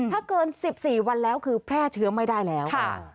ถ้าเกิน๑๔วันแล้วคือแพร่เชื้อไม่ได้แล้ว